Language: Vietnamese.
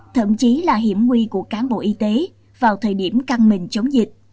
thậm chí là hiểm nguy của cán bộ y tế vào thời điểm căng mình chống dịch